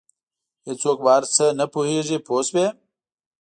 هېڅوک په هر څه نه پوهېږي پوه شوې!.